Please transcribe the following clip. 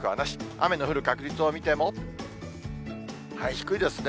雨の降る確率を見ても、低いですね。